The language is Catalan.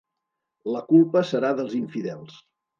La culpa serà dels infidels.